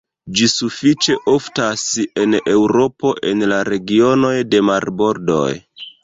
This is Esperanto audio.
Ĝi sufiĉe oftas en Eŭropo en la regionoj de marbordoj.